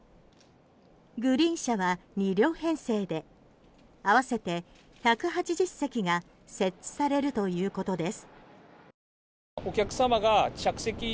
グリーン車は２両編成で合わせて１８０席が設置されるということです。